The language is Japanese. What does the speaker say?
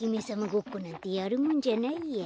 ごっこなんてやるもんじゃないや。